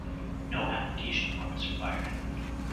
No application form is required.